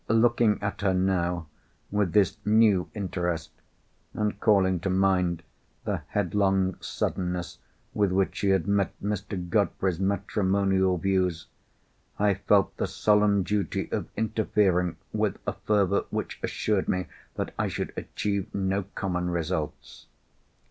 Looking at her, now, with this new interest—and calling to mind the headlong suddenness with which she had met Mr. Godfrey's matrimonial views—I felt the solemn duty of interfering with a fervour which assured me that I should achieve no common results.